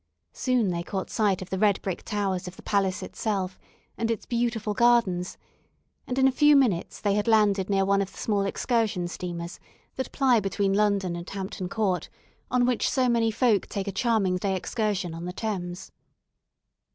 Soon they caught sight of the red brick towers of the palace itself, and its beautiful gardens, and in a few minutes they had landed near one of the small excursion steamers that ply between London and Hampton Court, on which so many folk take a charming day's excursion on the Thames.